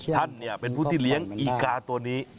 ท่านเป็นผู้ที่เลี้ยงอีกาตัวนี้